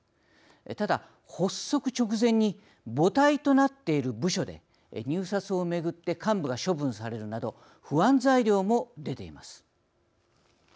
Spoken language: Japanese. ただ、発足直前に母体となっている部署で入札をめぐって幹部が処分されるなど不安材料も出ています。